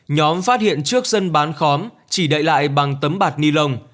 nhóm phát hiện trước dân bán khóm chỉ đậy lại bằng tấm bạt ni lông